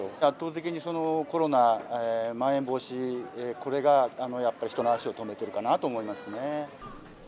圧倒的にコロナ、まん延防止、これがやっぱり人の足を止めてるかなと思いますね。